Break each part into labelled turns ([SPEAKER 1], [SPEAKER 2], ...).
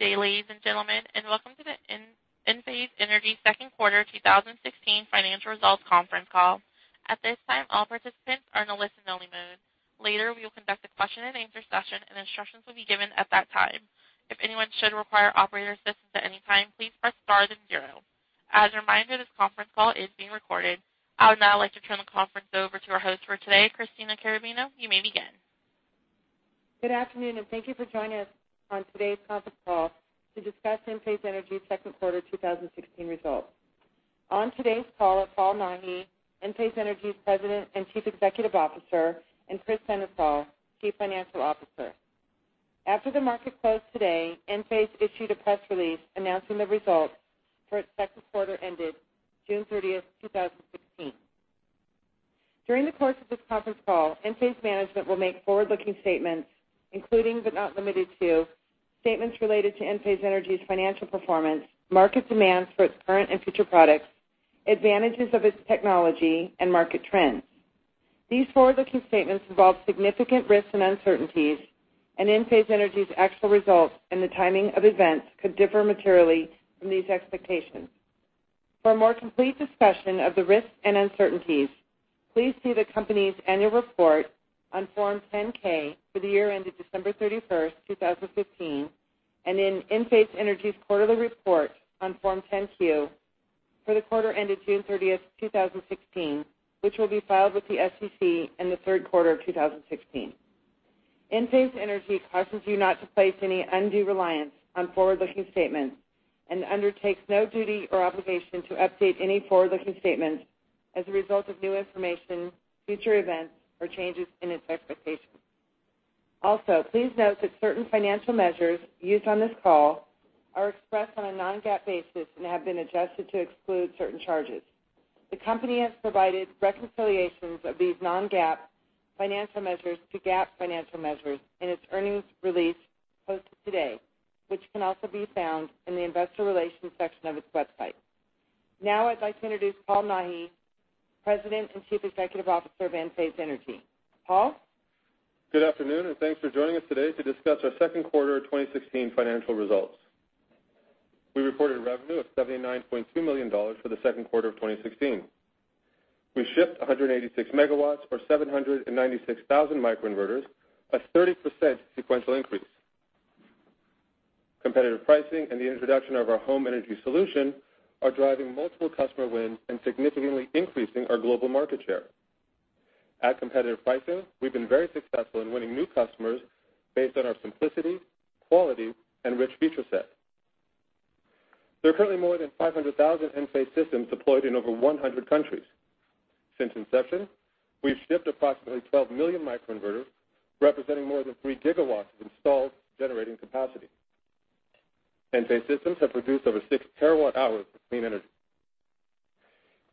[SPEAKER 1] Good day, ladies and gentlemen, and welcome to the Enphase Energy second quarter 2016 financial results conference call. At this time, all participants are in a listen-only mode. Later, we will conduct a question and answer session, and instructions will be given at that time. If anyone should require operator assistance at any time, please press star then zero. As a reminder, this conference call is being recorded. I would now like to turn the conference over to our host for today, Christina Carrabino. You may begin.
[SPEAKER 2] Good afternoon. Thank you for joining us on today's conference call to discuss Enphase Energy's second quarter 2016 results. On today's call are Paul Nahi, Enphase Energy's President and Chief Executive Officer, and Kris Sennesael, Chief Financial Officer. After the market closed today, Enphase issued a press release announcing the results for its second quarter ended June 30th, 2016. During the course of this conference call, Enphase management will make forward-looking statements including but not limited to statements related to Enphase Energy's financial performance, market demands for its current and future products, advantages of its technology, and market trends. These forward-looking statements involve significant risks and uncertainties. Enphase Energy's actual results and the timing of events could differ materially from these expectations. For a more complete discussion of the risks and uncertainties, please see the company's annual report on Form 10-K for the year ended December 31st, 2015, and in Enphase Energy's quarterly report on Form 10-Q for the quarter ended June 30th, 2016, which will be filed with the SEC in the third quarter of 2016. Enphase Energy cautions you not to place any undue reliance on forward-looking statements and undertakes no duty or obligation to update any forward-looking statements as a result of new information, future events, or changes in its expectations. Also, please note that certain financial measures used on this call are expressed on a non-GAAP basis and have been adjusted to exclude certain charges. The company has provided reconciliations of these non-GAAP financial measures to GAAP financial measures in its earnings release posted today, which can also be found in the investor relations section of its website. Now I'd like to introduce Paul Nahi, President and Chief Executive Officer of Enphase Energy. Paul?
[SPEAKER 3] Good afternoon, and thanks for joining us today to discuss our second quarter 2016 financial results. We reported revenue of $79.2 million for the second quarter of 2016. We shipped 186 megawatts or 796,000 microinverters, a 30% sequential increase. Competitive pricing and the introduction of our home energy solution are driving multiple customer wins and significantly increasing our global market share. At competitive pricing, we've been very successful in winning new customers based on our simplicity, quality, and rich feature set. There are currently more than 500,000 Enphase systems deployed in over 100 countries. Since inception, we've shipped approximately 12 million microinverters, representing more than 3 gigawatts of installed generating capacity. Enphase systems have produced over 6 terawatt-hours of clean energy.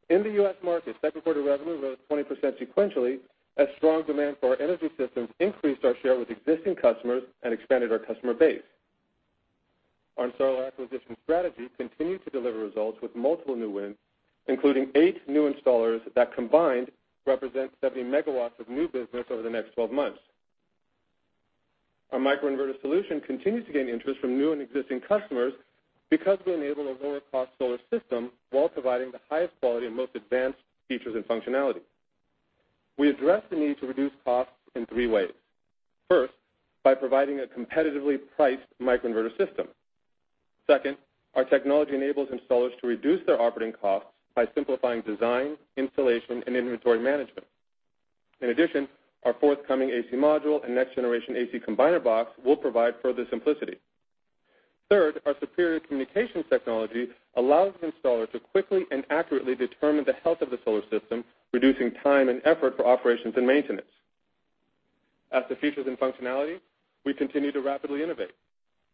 [SPEAKER 3] In the U.S. market, second quarter revenue rose 20% sequentially as strong demand for our energy systems increased our share with existing customers and expanded our customer base. Our installer acquisition strategy continued to deliver results with multiple new wins, including eight new installers that combined represent 70 megawatts of new business over the next 12 months. Our microinverter solution continues to gain interest from new and existing customers because we enable a lower-cost solar system while providing the highest quality and most advanced features and functionality. We address the need to reduce costs in three ways. First, by providing a competitively priced microinverter system. Second, our technology enables installers to reduce their operating costs by simplifying design, installation, and inventory management. In addition, our forthcoming AC module and next-generation AC combiner box will provide further simplicity. Third, our superior communications technology allows the installer to quickly and accurately determine the health of the solar system, reducing time and effort for operations and maintenance. As for features and functionality, we continue to rapidly innovate.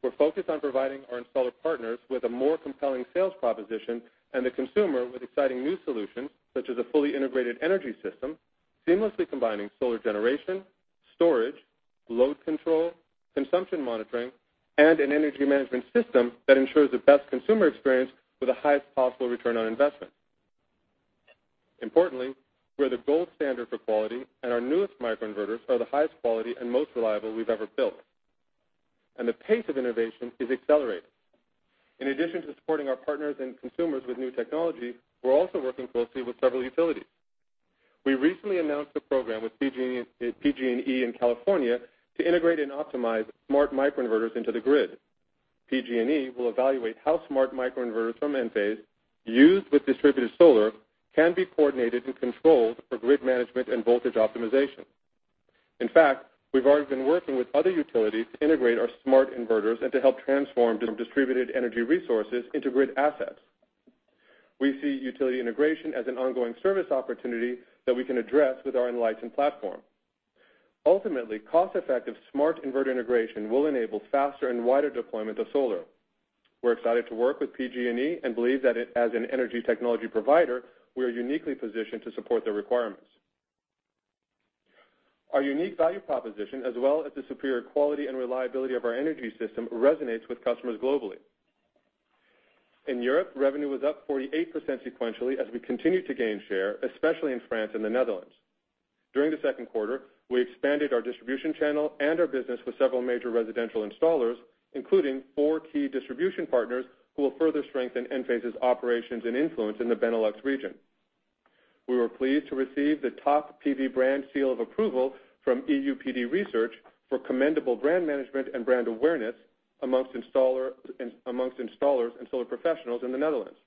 [SPEAKER 3] We're focused on providing our installer partners with a more compelling sales proposition and the consumer with exciting new solutions, such as a fully integrated energy system seamlessly combining solar generation, storage, load control, consumption monitoring, and an energy management system that ensures the best consumer experience with the highest possible return on investment. Importantly, we're the gold standard for quality, and our newest microinverters are the highest quality and most reliable we've ever built. The pace of innovation is accelerating. In addition to supporting our partners and consumers with new technology, we're also working closely with several utilities. We recently announced a program with PG&E in California to integrate and optimize smart microinverters into the grid. PG&E will evaluate how smart microinverters from Enphase, used with distributed solar, can be coordinated and controlled for grid management and voltage optimization. In fact, we've already been working with other utilities to integrate our smart inverters and to help transform distributed energy resources into grid assets. We see utility integration as an ongoing service opportunity that we can address with our Enlighten platform. Ultimately, cost-effective smart inverter integration will enable faster and wider deployment of solar. We're excited to work with PG&E and believe that as an energy technology provider, we are uniquely positioned to support their requirements. Our unique value proposition as well as the superior quality and reliability of our energy system resonates with customers globally. In Europe, revenue was up 48% sequentially as we continue to gain share, especially in France and the Netherlands. During the second quarter, we expanded our distribution channel and our business with several major residential installers, including four key distribution partners who will further strengthen Enphase's operations and influence in the Benelux region. We were pleased to receive the top PV brand seal of approval from EuPD Research for commendable brand management and brand awareness amongst installers and solar professionals in the Netherlands.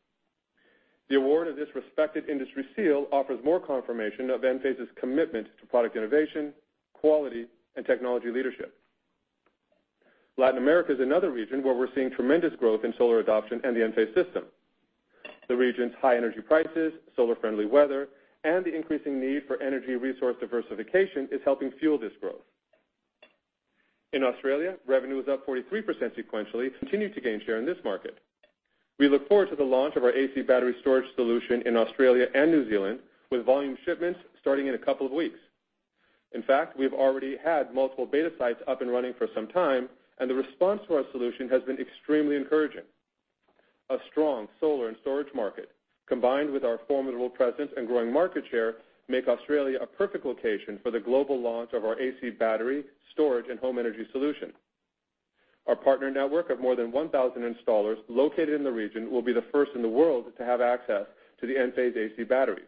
[SPEAKER 3] The award of this respected industry seal offers more confirmation of Enphase's commitment to product innovation, quality, and technology leadership. Latin America is another region where we're seeing tremendous growth in solar adoption and the Enphase system. The region's high energy prices, solar-friendly weather, and the increasing need for energy resource diversification is helping fuel this growth. In Australia, revenue was up 43% sequentially, continued to gain share in this market. We look forward to the launch of our AC Battery storage solution in Australia and New Zealand, with volume shipments starting in a couple of weeks. In fact, we've already had multiple beta sites up and running for some time, and the response to our solution has been extremely encouraging. A strong solar and storage market, combined with our formidable presence and growing market share, make Australia a perfect location for the global launch of our AC Battery storage and home energy solution. Our partner network of more than 1,000 installers located in the region will be the first in the world to have access to the Enphase AC Battery.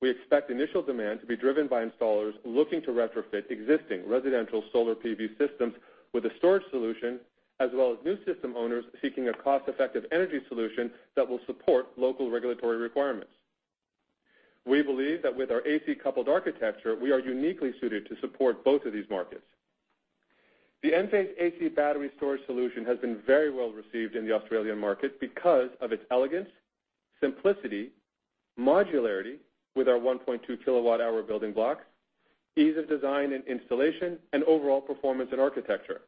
[SPEAKER 3] We expect initial demand to be driven by installers looking to retrofit existing residential solar PV systems with a storage solution, as well as new system owners seeking a cost-effective energy solution that will support local regulatory requirements. We believe that with our AC coupled architecture, we are uniquely suited to support both of these markets. The Enphase AC Battery storage solution has been very well received in the Australian market because of its elegance, simplicity, modularity with our 1.2 kilowatt-hour building blocks, ease of design and installation, and overall performance and architecture.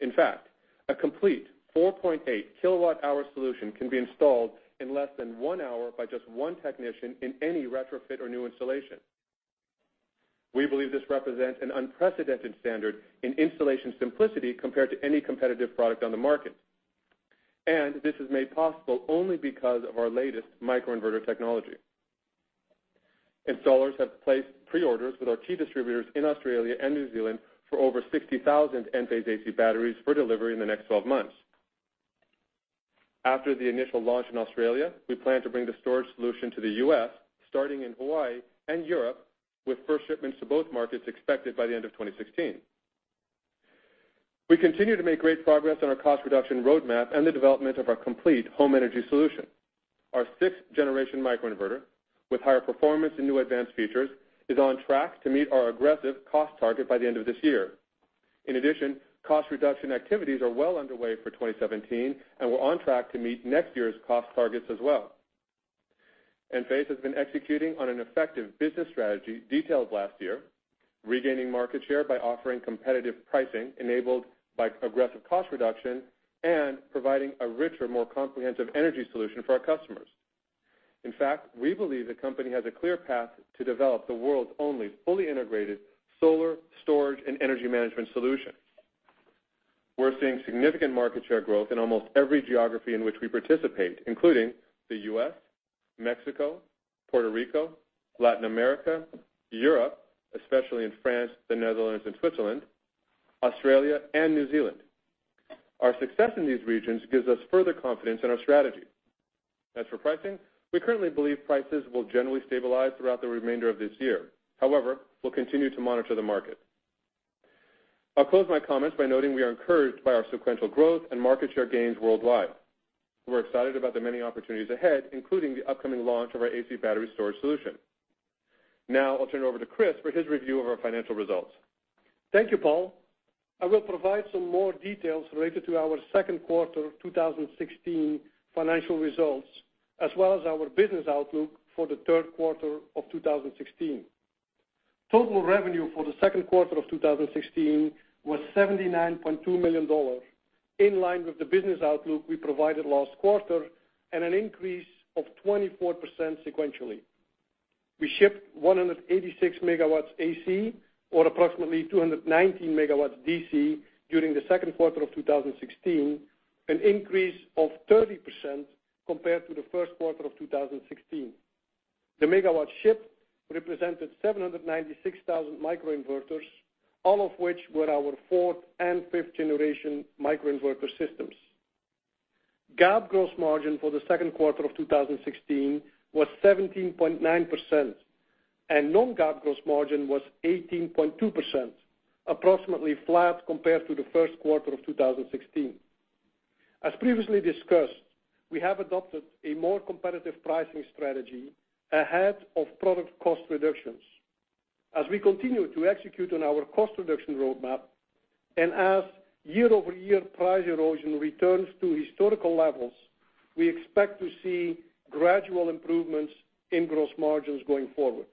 [SPEAKER 3] In fact, a complete 4.8 kilowatt-hour solution can be installed in less than one hour by just one technician in any retrofit or new installation. We believe this represents an unprecedented standard in installation simplicity compared to any competitive product on the market. This is made possible only because of our latest microinverter technology. Installers have placed pre-orders with our key distributors in Australia and New Zealand for over 60,000 Enphase AC Batteries for delivery in the next 12 months. After the initial launch in Australia, we plan to bring the storage solution to the U.S., starting in Hawaii and Europe, with first shipments to both markets expected by the end of 2016. We continue to make great progress on our cost reduction roadmap and the development of our complete home energy solution. Our sixth-generation microinverter, with higher performance and new advanced features, is on track to meet our aggressive cost target by the end of this year. In addition, cost reduction activities are well underway for 2017, and we're on track to meet next year's cost targets as well. Enphase has been executing on an effective business strategy detailed last year, regaining market share by offering competitive pricing enabled by aggressive cost reduction and providing a richer, more comprehensive energy solution for our customers. In fact, we believe the company has a clear path to develop the world's only fully integrated solar storage and energy management solution. We're seeing significant market share growth in almost every geography in which we participate, including the U.S., Mexico, Puerto Rico, Latin America, Europe, especially in France, the Netherlands, and Switzerland, Australia, and New Zealand. Our success in these regions gives us further confidence in our strategy. As for pricing, we currently believe prices will generally stabilize throughout the remainder of this year. However, we'll continue to monitor the market. I'll close my comments by noting we are encouraged by our sequential growth and market share gains worldwide. We're excited about the many opportunities ahead, including the upcoming launch of our AC Battery storage solution. Now I'll turn it over to Kris for his review of our financial results.
[SPEAKER 4] Thank you, Paul. I will provide some more details related to our second quarter 2016 financial results, as well as our business outlook for the third quarter of 2016. Total revenue for the second quarter of 2016 was $79.2 million, in line with the business outlook we provided last quarter and an increase of 24% sequentially. We shipped 186 megawatts AC, or approximately 219 megawatts DC, during the second quarter of 2016, an increase of 30% compared to the first quarter of 2016. The megawatts shipped represented 796,000 microinverters, all of which were our fourth and fifth generation microinverter systems. GAAP gross margin for the second quarter of 2016 was 17.9%, and non-GAAP gross margin was 18.2%, approximately flat compared to the first quarter of 2016. As previously discussed, we have adopted a more competitive pricing strategy ahead of product cost reductions. As we continue to execute on our cost reduction roadmap, and as year-over-year price erosion returns to historical levels, we expect to see gradual improvements in gross margins going forward.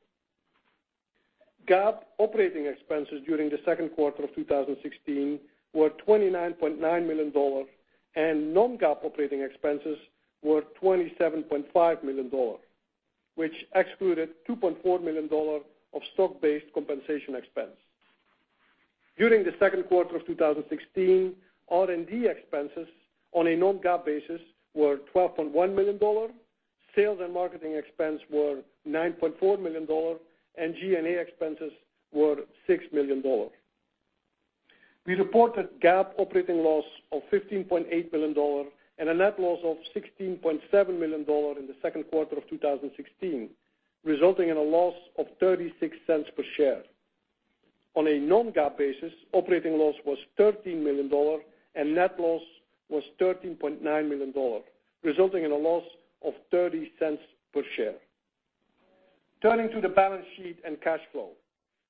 [SPEAKER 4] GAAP operating expenses during the second quarter of 2016 were $29.9 million, and non-GAAP operating expenses were $27.5 million, which excluded $2.4 million of stock-based compensation expense. During the second quarter of 2016, R&D expenses on a non-GAAP basis were $12.1 million, sales and marketing expense were $9.4 million, and G&A expenses were $6 million. We reported GAAP operating loss of $15.8 million and a net loss of $16.7 million in the second quarter of 2016, resulting in a loss of $0.36 per share. On a non-GAAP basis, operating loss was $13 million, and net loss was $13.9 million, resulting in a loss of $0.30 per share. Turning to the balance sheet and cash flow.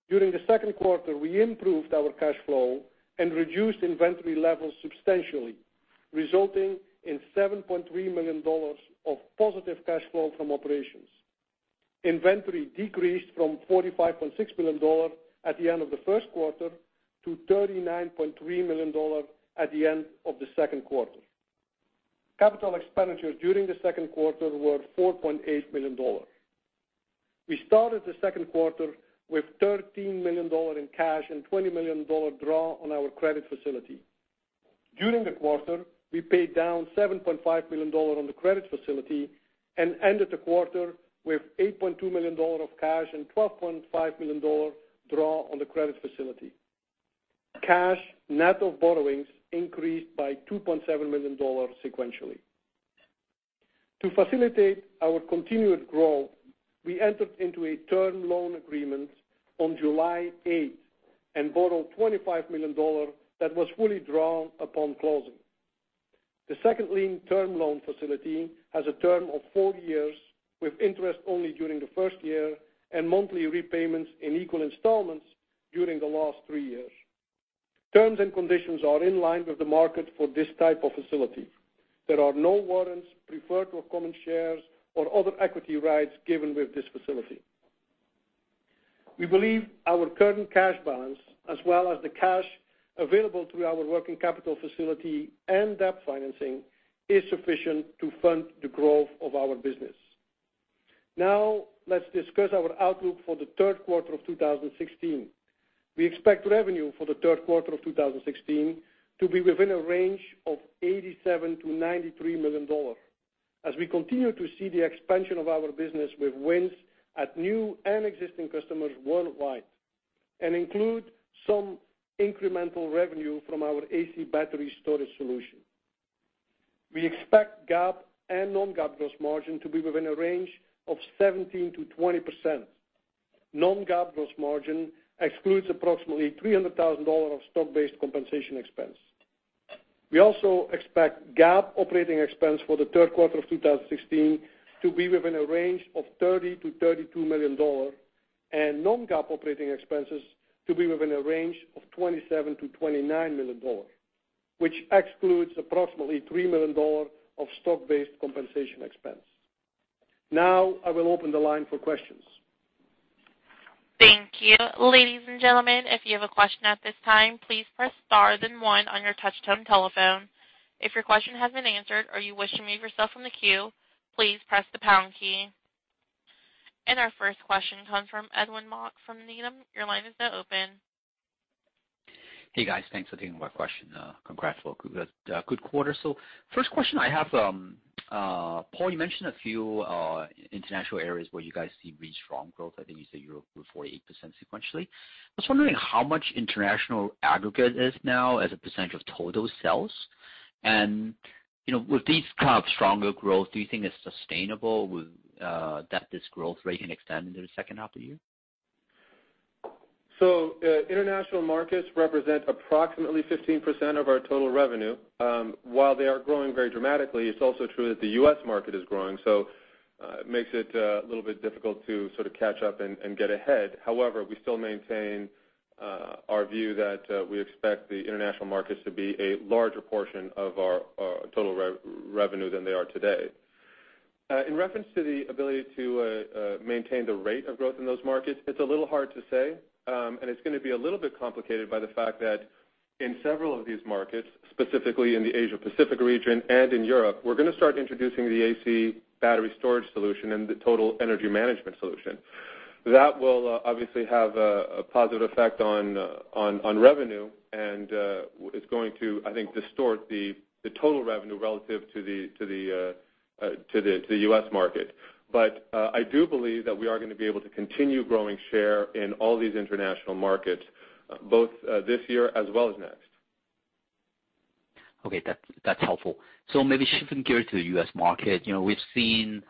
[SPEAKER 4] During the second quarter, we improved our cash flow and reduced inventory levels substantially, resulting in $7.3 million of positive cash flow from operations. Inventory decreased from $45.6 million at the end of the first quarter to $39.3 million at the end of the second quarter. Capital expenditures during the second quarter were $4.8 million. We started the second quarter with $13 million in cash and $20 million draw on our credit facility. During the quarter, we paid down $7.5 million on the credit facility and ended the quarter with $8.2 million of cash and $12.5 million draw on the credit facility. Cash net of borrowings increased by $2.7 million sequentially. To facilitate our continued growth, we entered into a term loan agreement on July 8th and borrowed $25 million that was fully drawn upon closing. The second lien term loan facility has a term of four years with interest only during the first year and monthly repayments in equal installments during the last three years. Terms and conditions are in line with the market for this type of facility. There are no warrants, preferred or common shares or other equity rights given with this facility. We believe our current cash balance, as well as the cash available through our working capital facility and debt financing, is sufficient to fund the growth of our business. Let's discuss our outlook for the third quarter of 2016. We expect revenue for the third quarter of 2016 to be within a range of $87 million-$93 million. As we continue to see the expansion of our business with wins at new and existing customers worldwide and include some incremental revenue from our AC Battery storage solution. We expect GAAP and non-GAAP gross margin to be within a range of 17%-20%. Non-GAAP gross margin excludes approximately $300,000 of stock-based compensation expense. We also expect GAAP operating expense for the third quarter of 2016 to be within a range of $30 million-$32 million and non-GAAP operating expenses to be within a range of $27 million-$29 million, which excludes approximately $3 million of stock-based compensation expense. I will open the line for questions.
[SPEAKER 1] Thank you. Ladies and gentlemen, if you have a question at this time, please press star then one on your touch-tone telephone. If your question has been answered or you wish to remove yourself from the queue, please press the pound key. Our first question comes from Edwin Mok from Needham. Your line is now open.
[SPEAKER 5] Hey, guys. Thanks for taking my question. Congrats for the good quarter. First question I have. Paul, you mentioned a few international areas where you guys see really strong growth. I think you said you're up to 48% sequentially. I was wondering how much international aggregate is now as a percentage of total sales. With these kind of stronger growth, do you think it's sustainable that this growth rate can extend into the second half of the year?
[SPEAKER 3] International markets represent approximately 15% of our total revenue. While they are growing very dramatically, it's also true that the U.S. market is growing, so it makes it a little bit difficult to sort of catch up and get ahead. However, we still maintain our view that we expect the international markets to be a larger portion of our total revenue than they are today. In reference to the ability to maintain the rate of growth in those markets, it's a little hard to say. It's going to be a little bit complicated by the fact that in several of these markets, specifically in the Asia Pacific region and in Europe, we're going to start introducing the AC Battery storage solution and the total energy management solution. That will obviously have a positive effect on revenue and, is going to, I think, distort the total revenue relative to the U.S. market. I do believe that we are going to be able to continue growing share in all these international markets, both this year as well as next.
[SPEAKER 5] Okay. That's helpful. Maybe shifting gears to the U.S. market. We've seen,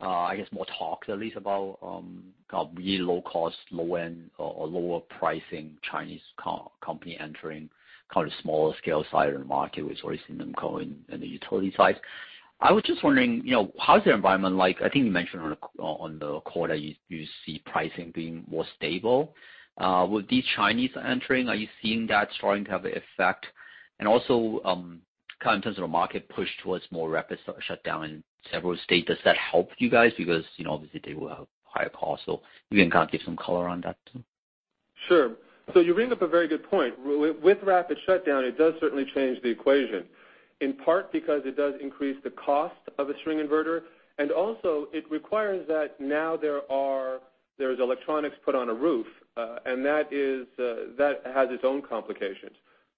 [SPEAKER 5] I guess more talks at least about kind of really low cost, low end or lower pricing Chinese company entering kind of smaller scale side of the market. We've already seen them go in the utility side. I was just wondering, how's your environment like? I think you mentioned on the call that you see pricing being more stable. With these Chinese entering, are you seeing that starting to have an effect? Also, kind of in terms of the market push towards more rapid shutdown in several states, does that help you guys? Because obviously they will have higher costs. Maybe you can give some color on that too.
[SPEAKER 3] Sure. You bring up a very good point. With rapid shutdown, it does certainly change the equation In part because it does increase the cost of a string inverter, and also it requires that now there's electronics put on a roof, and that has its own complications.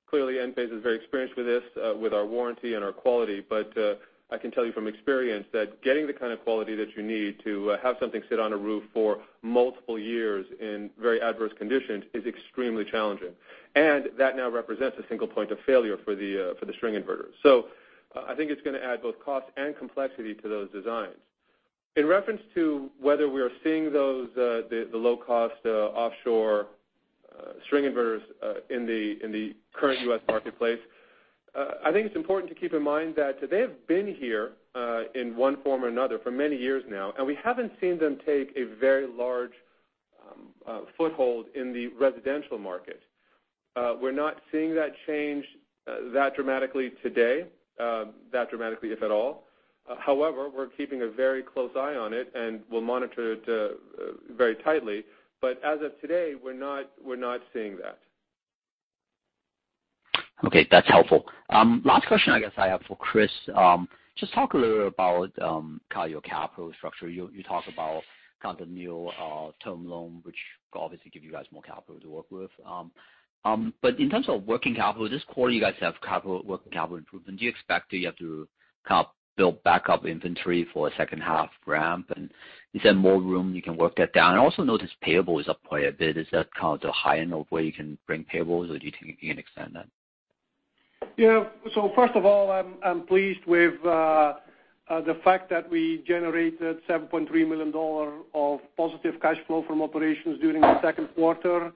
[SPEAKER 3] Clearly, Enphase is very experienced with this, with our warranty and our quality, but I can tell you from experience that getting the kind of quality that you need to have something sit on a roof for multiple years in very adverse conditions is extremely challenging. That now represents a single point of failure for the string inverter. I think it's going to add both cost and complexity to those designs. In reference to whether we are seeing the low-cost offshore string inverters in the current U.S. marketplace, I think it's important to keep in mind that they have been here in one form or another for many years now, and we haven't seen them take a very large foothold in the residential market. We're not seeing that change that dramatically today, that dramatically, if at all. However, we're keeping a very close eye on it, and we'll monitor it very tightly. As of today, we're not seeing that.
[SPEAKER 5] Okay, that's helpful. Last question I guess I have for Kris. Just talk a little bit about kind of your capital structure. You talk about kind of the new term loan, which obviously give you guys more capital to work with. In terms of working capital, this quarter, you guys have working capital improvement. Do you expect you have to kind of build back up inventory for a second half ramp, and is there more room you can work that down? I also notice payable is up quite a bit. Is that kind of the high end of where you can bring payables, or do you think you can extend that?
[SPEAKER 4] Yeah. First of all, I'm pleased with the fact that we generated $7.3 million of positive cash flow from operations during the second quarter.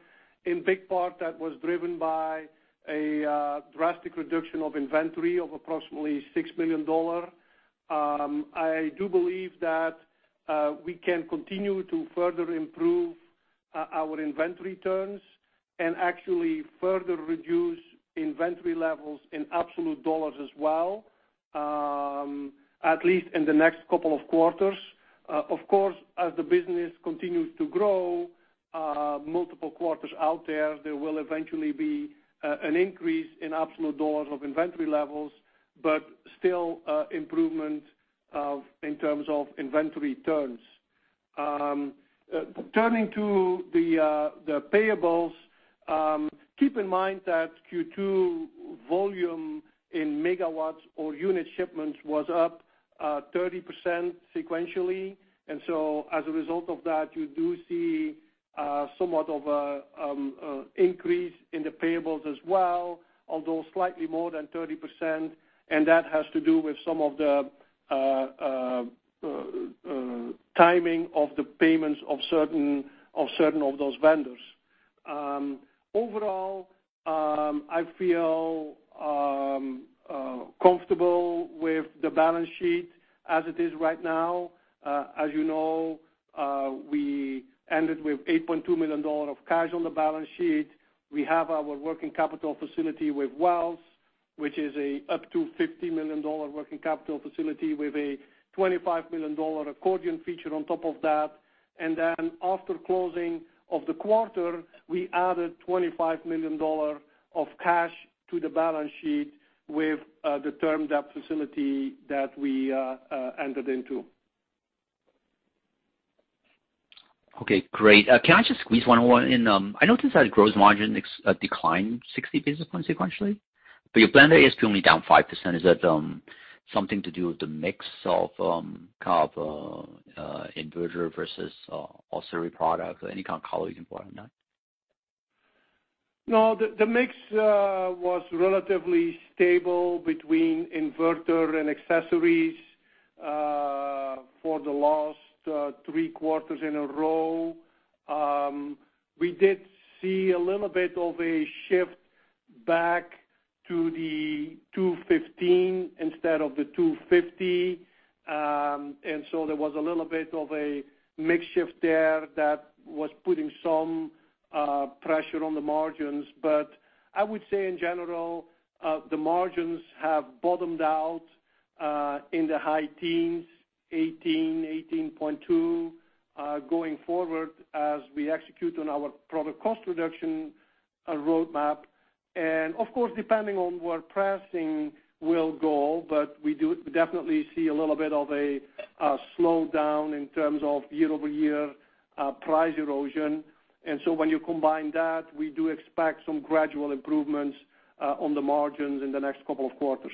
[SPEAKER 4] In big part, that was driven by a drastic reduction of inventory of approximately $6 million. I do believe that we can continue to further improve our inventory turns and actually further reduce inventory levels in absolute dollars as well, at least in the next couple of quarters. Of course, as the business continues to grow, multiple quarters out there will eventually be an increase in absolute dollars of inventory levels, but still improvement in terms of inventory turns. Turning to the payables, keep in mind that Q2 volume in megawatts or unit shipments was up 30% sequentially. As a result of that, you do see somewhat of an increase in the payables as well, although slightly more than 30%, and that has to do with some of the timing of the payments of certain of those vendors. Overall, I feel comfortable with the balance sheet as it is right now. As you know, we ended with $8.2 million of cash on the balance sheet. We have our working capital facility with Wells, which is a up to $50 million working capital facility with a $25 million accordion feature on top of that. After closing of the quarter, we added $25 million of cash to the balance sheet with the term debt facility that we entered into.
[SPEAKER 5] Okay, great. Can I just squeeze one more in? I noticed that gross margin declined 60 basis points sequentially, but your plan A is only down 5%. Is that something to do with the mix of kind of inverter versus accessory product? Any kind of color you can provide on that?
[SPEAKER 4] No, the mix was relatively stable between inverter and accessories for the last three quarters in a row. We did see a little bit of a shift back to the 215 instead of the 250, there was a little bit of a mix shift there that was putting some pressure on the margins. I would say in general, the margins have bottomed out in the high teens, 18%, 18.2% going forward as we execute on our product cost reduction roadmap. Of course, depending on where pricing will go, but we definitely see a little bit of a slowdown in terms of year-over-year price erosion. When you combine that, we do expect some gradual improvements on the margins in the next couple of quarters.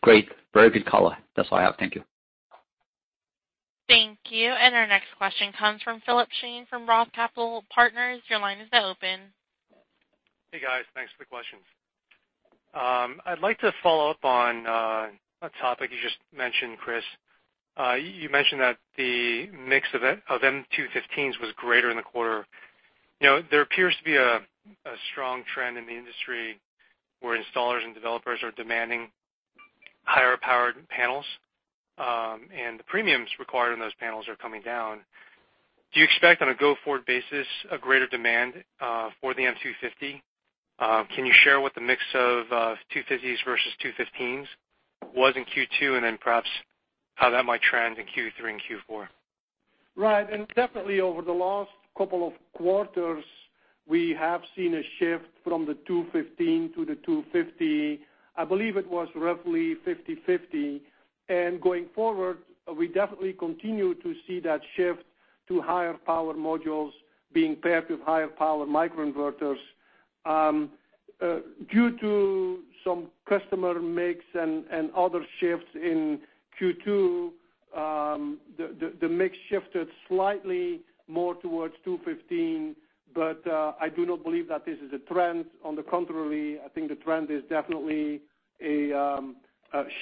[SPEAKER 5] Great. Very good color. That's all I have. Thank you.
[SPEAKER 1] Thank you. Our next question comes from Philip Shen from Roth Capital Partners. Your line is now open.
[SPEAKER 6] Hey, guys. Thanks for the questions. I'd like to follow up on a topic you just mentioned, Kris. You mentioned that the mix of M215s was greater in the quarter. There appears to be a strong trend in the industry where installers and developers are demanding higher-powered panels, and the premiums required on those panels are coming down. Do you expect, on a go-forward basis, a greater demand for the M250? Can you share what the mix of 250s versus 215s was in Q2, and then perhaps how that might trend in Q3 and Q4?
[SPEAKER 4] Right. Definitely over the last couple of quarters, we have seen a shift from the 215 to the 250. I believe it was roughly 50/50. Going forward, we definitely continue to see that shift to higher power modules being paired with higher power microinverters. Due to some customer mix and other shifts in Q2, the mix shifted slightly more towards 215, but I do not believe that this is a trend. On the contrary, I think the trend is definitely a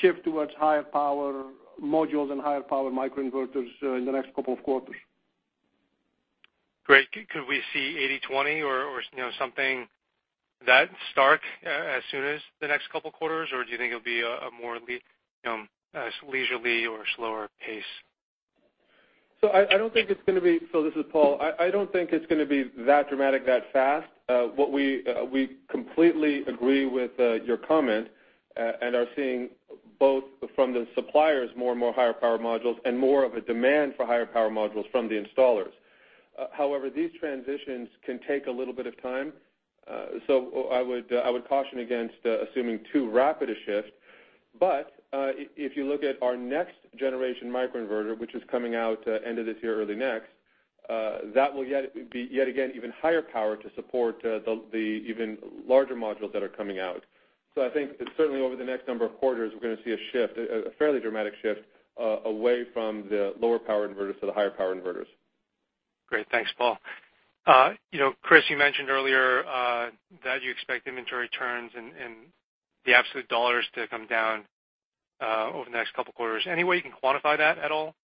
[SPEAKER 4] shift towards higher power modules and higher power microinverters in the next couple of quarters.
[SPEAKER 6] Great. Could we see 80/20 or something that stark as soon as the next couple of quarters or do you think it'll be a more leisurely or slower pace?
[SPEAKER 3] This is Paul. I don't think it's going to be that dramatic that fast. We completely agree with your comment, and are seeing both from the suppliers, more and more higher power modules and more of a demand for higher power modules from the installers. However, these transitions can take a little bit of time. I would caution against assuming too rapid a shift. If you look at our next generation microinverter, which is coming out end of this year, early next, that will be yet again, even higher power to support the even larger modules that are coming out. I think certainly over the next number of quarters, we're going to see a fairly dramatic shift, away from the lower power inverters to the higher power inverters.
[SPEAKER 6] Great. Thanks, Paul. Kris, you mentioned earlier, that you expect inventory turns and the absolute $ to come down over the next couple of quarters. Any way you can quantify that at all?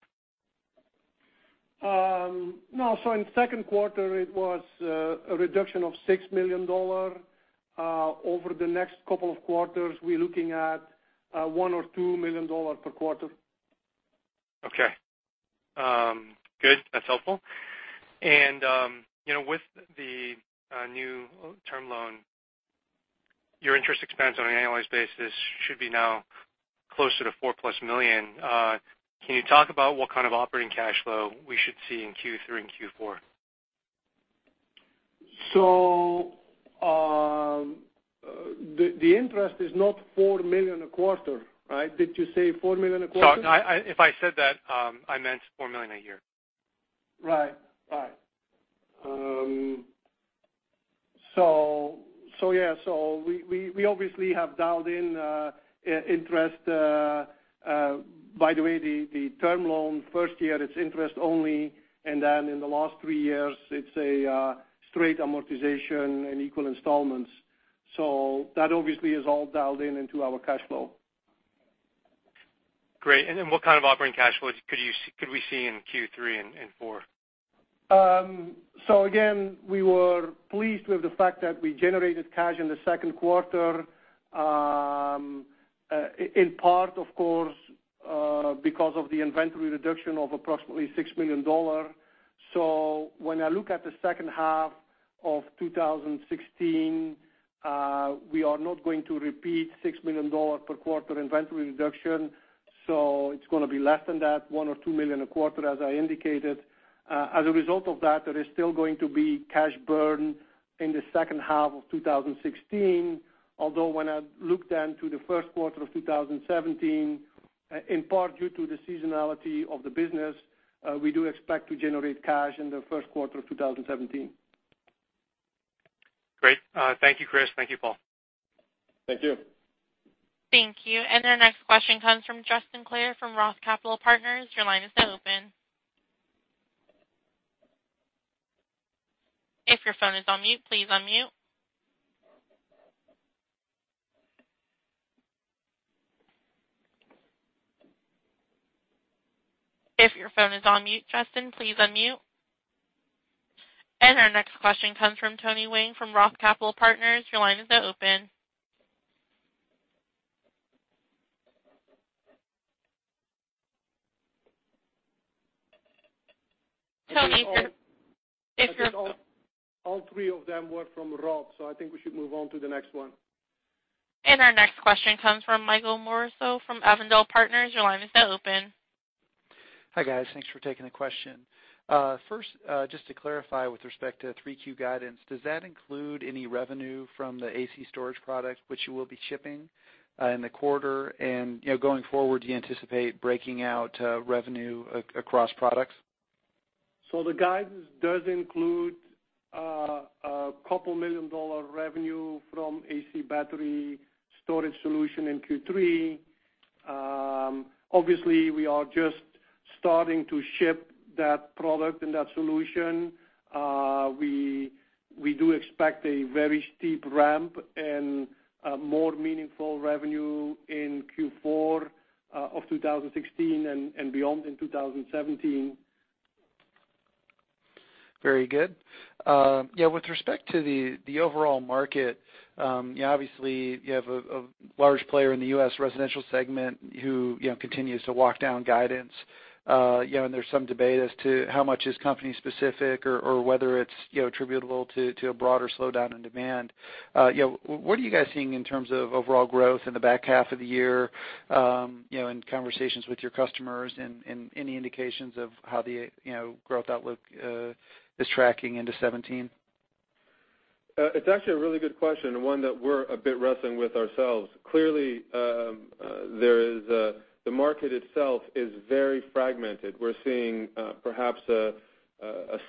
[SPEAKER 4] No. In the second quarter it was a reduction of $6 million. Over the next couple of quarters, we're looking at $1 or $2 million per quarter.
[SPEAKER 6] Okay. Good. That's helpful. With the new term loan, your interest expense on an annualized basis should be now closer to $4+ million. Can you talk about what kind of operating cash flow we should see in Q3 and Q4?
[SPEAKER 4] The interest is not $4 million a quarter, right? Did you say $4 million a quarter?
[SPEAKER 6] Sorry. If I said that, I meant $4 million a year.
[SPEAKER 4] Right. We obviously have dialed in interest. By the way, the term loan, first year it's interest only, and then in the last three years, it's a straight amortization and equal installments. That obviously is all dialed in into our cash flow.
[SPEAKER 6] Great. What kind of operating cash flow could we see in Q3 and Q4?
[SPEAKER 4] We were pleased with the fact that we generated cash in the second quarter, in part, of course, because of the inventory reduction of approximately $6 million. When I look at the second half of 2016, we are not going to repeat $6 million per quarter inventory reduction. It's going to be less than that, $1 or $2 million a quarter, as I indicated. As a result of that, there is still going to be cash burn in the second half of 2016. Although when I look then to the first quarter of 2017, in part due to the seasonality of the business, we do expect to generate cash in the first quarter of 2017.
[SPEAKER 6] Great. Thank you, Kris. Thank you, Paul.
[SPEAKER 3] Thank you.
[SPEAKER 1] Thank you. Our next question comes from Justin Clare from Roth Capital Partners. Your line is now open. If your phone is on mute, please unmute. If your phone is on mute, Justin, please unmute. Our next question comes from Tony Wing from Roth Capital Partners. Your line is now open. Tony, if your-
[SPEAKER 4] I think all three of them were from Roth, so I think we should move on to the next one.
[SPEAKER 1] Our next question comes from Michael Morosi from Avondale Partners. Your line is now open.
[SPEAKER 7] Hi, guys. Thanks for taking the question. First, just to clarify with respect to 3Q guidance, does that include any revenue from the AC storage product, which you will be shipping in the quarter? Going forward, do you anticipate breaking out revenue across products?
[SPEAKER 4] The guidance does include a couple million dollar revenue from AC Battery storage solution in Q3. Obviously, we are just starting to ship that product and that solution. We do expect a very steep ramp and more meaningful revenue in Q4 of 2016 and beyond in 2017.
[SPEAKER 7] Very good. With respect to the overall market, obviously you have a large player in the U.S. residential segment who continues to walk down guidance. There's some debate as to how much is company specific or whether it's attributable to a broader slowdown in demand. What are you guys seeing in terms of overall growth in the back half of the year, in conversations with your customers and any indications of how the growth outlook is tracking into 2017?
[SPEAKER 3] It's actually a really good question, and one that we're a bit wrestling with ourselves. Clearly, the market itself is very fragmented. We're seeing perhaps a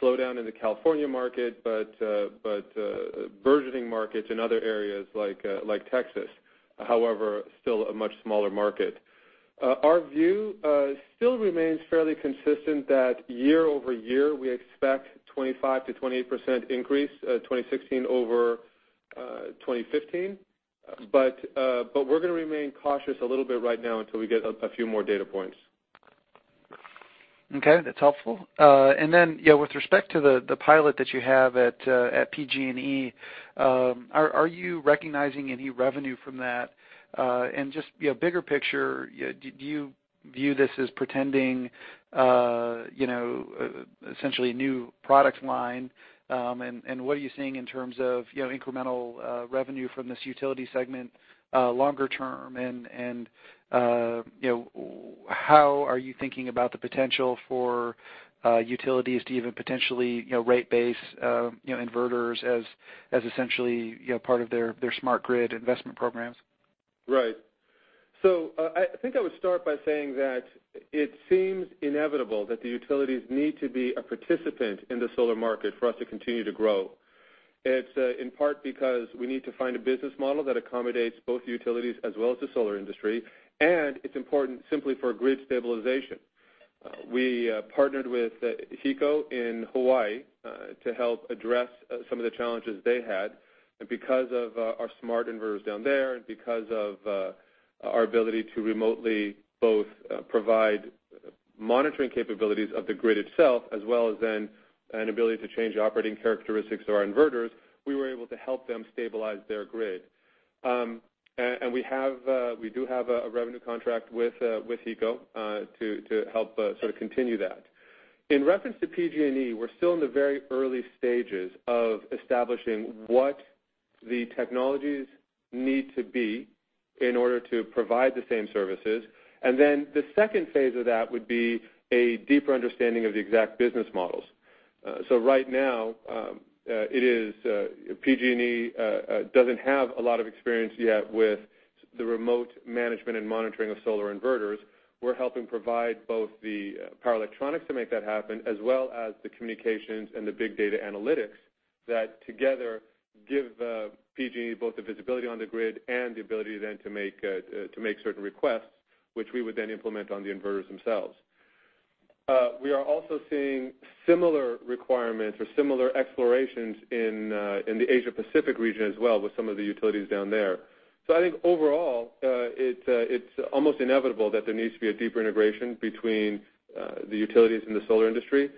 [SPEAKER 3] slowdown in the California market, but burgeoning markets in other areas like Texas, however, still a much smaller market. Our view still remains fairly consistent that year-over-year, we expect 25%-28% increase, 2016 over 2015. We're going to remain cautious a little bit right now until we get a few more data points.
[SPEAKER 7] Okay, that's helpful. With respect to the pilot that you have at PG&E, are you recognizing any revenue from that? Just bigger picture, do you view this as presenting, essentially a new product line? What are you seeing in terms of incremental revenue from this utility segment longer term, and how are you thinking about the potential for utilities to even potentially rate base inverters as essentially part of their smart grid investment programs?
[SPEAKER 3] Right. I think I would start by saying that it seems inevitable that the utilities need to be a participant in the solar market for us to continue to grow. It's in part because we need to find a business model that accommodates both utilities as well as the solar industry, and it's important simply for grid stabilization. We partnered with HECO in Hawaii to help address some of the challenges they had. Because of our smart inverters down there, and because of our ability to remotely both provide monitoring capabilities of the grid itself, as well as then an ability to change the operating characteristics of our inverters, we were able to help them stabilize their grid. We do have a revenue contract with HECO to help sort of continue that. In reference to PG&E, we're still in the very early stages of establishing what the technologies need to be in order to provide the same services. The second phase of that would be a deeper understanding of the exact business models. Right now, PG&E doesn't have a lot of experience yet with the remote management and monitoring of solar inverters. We're helping provide both the power electronics to make that happen, as well as the communications and the big data analytics that together give PG both the visibility on the grid and the ability then to make certain requests, which we would then implement on the inverters themselves. We are also seeing similar requirements or similar explorations in the Asia Pacific region as well with some of the utilities down there. I think overall, it's almost inevitable that there needs to be a deeper integration between the utilities and the solar industry.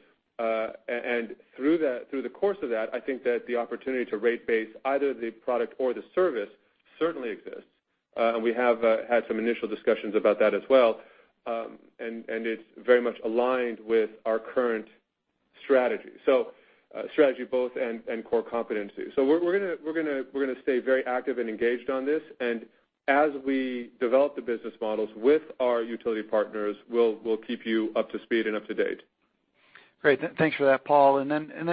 [SPEAKER 3] Through the course of that, I think that the opportunity to rate base either the product or the service certainly exists. We have had some initial discussions about that as well, and it's very much aligned with our current strategy. Strategy both and core competency. We're going to stay very active and engaged on this, and as we develop the business models with our utility partners, we'll keep you up to speed and up to date.
[SPEAKER 7] Great. Thanks for that, Paul.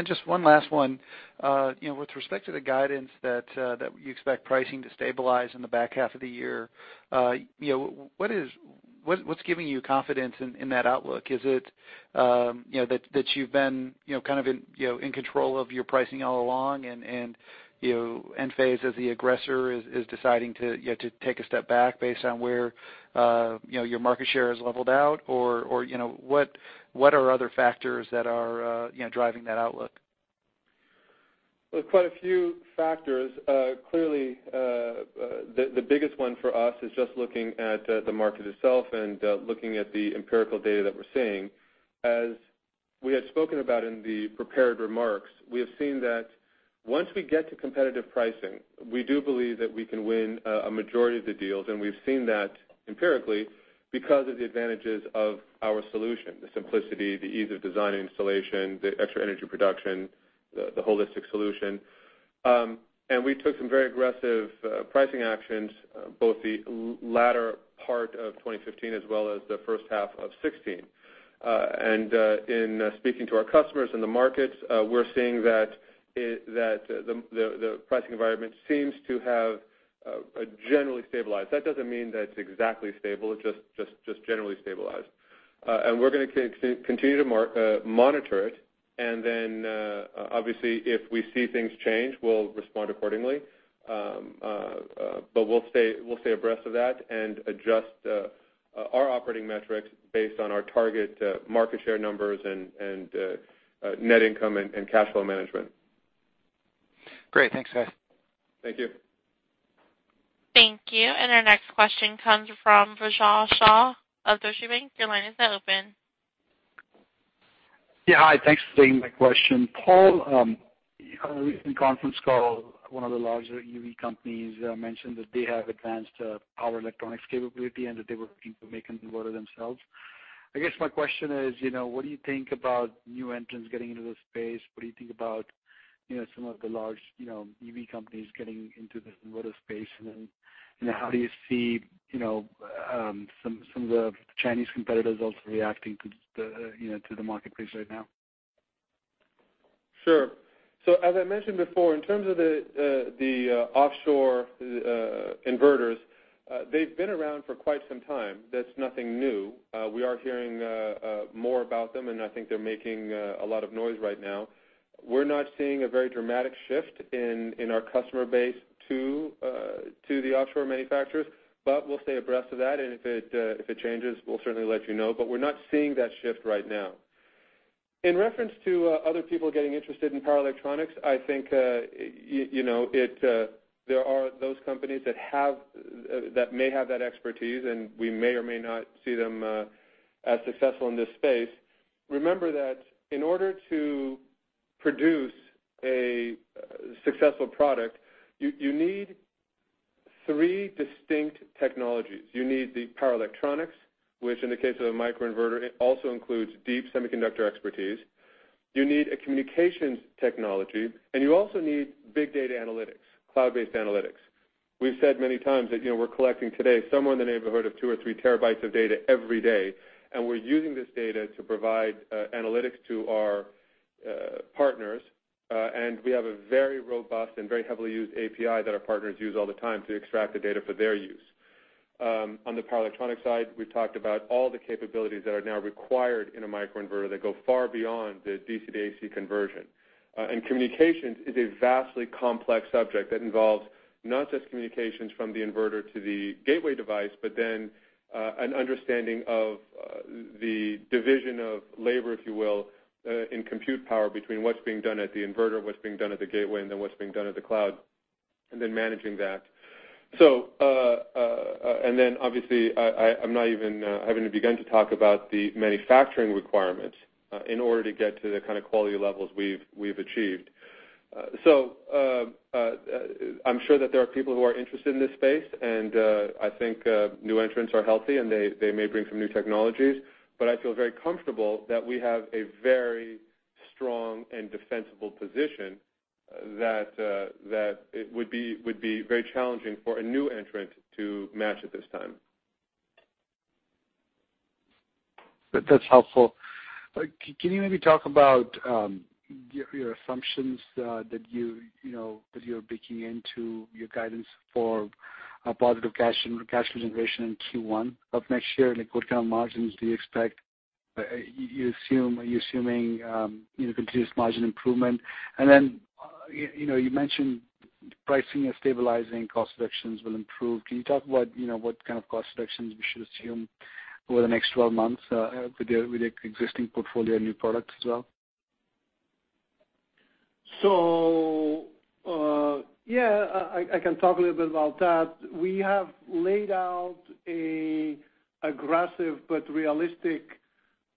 [SPEAKER 7] Just one last one. With respect to the guidance that you expect pricing to stabilize in the back half of the year, what's giving you confidence in that outlook? Is it that you've been kind of in control of your pricing all along, and Enphase as the aggressor is deciding to take a step back based on where your market share has leveled out? Or what are other factors that are driving that outlook?
[SPEAKER 3] There's quite a few factors. Clearly, the biggest one for us is just looking at the market itself and looking at the empirical data that we're seeing. As we had spoken about in the prepared remarks, we have seen that once we get to competitive pricing, we do believe that we can win a majority of the deals, and we've seen that empirically because of the advantages of our solution, the simplicity, the ease of design and installation, the extra energy production, the holistic solution. We took some very aggressive pricing actions, both the latter part of 2015 as well as the first half of 2016. In speaking to our customers in the markets, we're seeing that the pricing environment seems to have generally stabilized. That doesn't mean that it's exactly stable, just generally stabilized. We're going to continue to monitor it, obviously if we see things change, we'll respond accordingly. We'll stay abreast of that and adjust our operating metrics based on our target market share numbers and net income and cash flow management.
[SPEAKER 7] Great. Thanks, guys.
[SPEAKER 3] Thank you.
[SPEAKER 1] Thank you. Our next question comes from Rajaw Shaw of Deutsche Bank. Your line is now open.
[SPEAKER 8] Yeah. Hi. Thanks for taking my question. Paul, on a recent conference call, one of the larger EV companies mentioned that they have advanced power electronics capability, that they were looking to make an inverter themselves. I guess my question is, what do you think about new entrants getting into the space? What do you think about some of the large EV companies getting into this inverter space? Then, how do you see some of the Chinese competitors also reacting to the marketplace right now?
[SPEAKER 3] As I mentioned before, in terms of the offshore inverters, they've been around for quite some time. That's nothing new. We are hearing more about them, and I think they're making a lot of noise right now. We're not seeing a very dramatic shift in our customer base to the offshore manufacturers, but we'll stay abreast of that, and if it changes, we'll certainly let you know. We're not seeing that shift right now. In reference to other people getting interested in power electronics, I think there are those companies that may have that expertise, and we may or may not see them as successful in this space. Remember that in order to produce a successful product, you need three distinct technologies. You need the power electronics, which in the case of a microinverter, it also includes deep semiconductor expertise. You need a communications technology, and you also need big data analytics, cloud-based analytics. We've said many times that we're collecting today somewhere in the neighborhood of two or three terabytes of data every day, and we're using this data to provide analytics to our partners. We have a very robust and very heavily used API that our partners use all the time to extract the data for their use. On the power electronics side, we've talked about all the capabilities that are now required in a microinverter that go far beyond the DC to AC conversion. Communications is a vastly complex subject that involves not just communications from the inverter to the gateway device, but then an understanding of the division of labor, if you will, in compute power between what's being done at the inverter, what's being done at the gateway, and then what's being done at the cloud, and then managing that. Obviously, I'm not even having to begin to talk about the manufacturing requirements in order to get to the kind of quality levels we've achieved. I'm sure that there are people who are interested in this space, and I think new entrants are healthy, and they may bring some new technologies, but I feel very comfortable that we have a very strong and defensible position that it would be very challenging for a new entrant to match at this time.
[SPEAKER 8] That's helpful. Can you maybe talk about your assumptions that you're baking into your guidance for positive cash generation in Q1 of next year? Like what kind of margins do you expect? Are you assuming continuous margin improvement? You mentioned pricing is stabilizing, cost reductions will improve. Can you talk about what kind of cost reductions we should assume over the next 12 months with the existing portfolio and new products as well?
[SPEAKER 4] Yeah, I can talk a little bit about that. We have laid out an aggressive but realistic